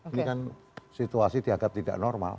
ini kan situasi dianggap tidak normal